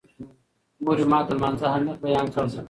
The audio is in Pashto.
مور مې ماته د لمانځه اهمیت بیان کړ.